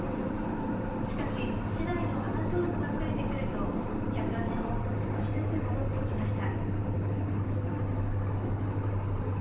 しかし、市内の花ちょうずが増えてくると客足も少しずつ戻ってきました。